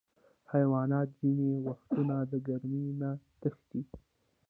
حیوانات ځینې وختونه د ګرمۍ نه تښتي.